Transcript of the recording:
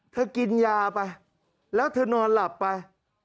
กินยาไปแล้วเธอนอนหลับไป